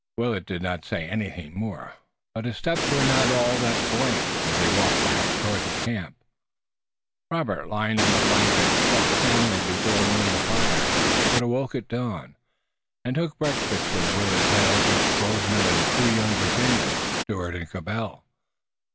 Willet did not say anything more, but his steps were not at all buoyant as they walked back toward the camp. Robert, lying on a blanket, slept soundly before one of the fires, but awoke at dawn, and took breakfast with Willet, Tayoga, Grosvenor and the two young Virginians, Stuart and Cabell.